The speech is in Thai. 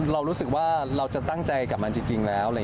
เรารู้สึกว่าเราจะตั้งใจกับมันจริงแล้ว